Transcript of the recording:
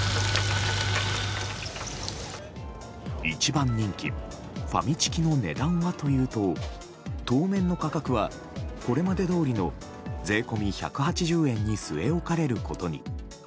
一番人気ファミチキの値段はというと当面の価格はこれまでどおりの税込み価格１８０円に据え置かれることに。